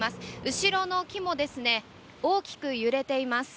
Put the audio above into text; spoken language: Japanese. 後ろの木も大きく揺れています。